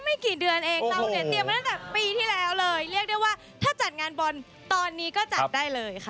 ไม่กี่เดือนเองเราเนี่ยเตรียมมาตั้งแต่ปีที่แล้วเลยเรียกได้ว่าถ้าจัดงานบอลตอนนี้ก็จัดได้เลยค่ะ